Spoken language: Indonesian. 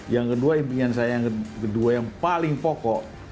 yang kedua impian saya yang kedua yang paling pokok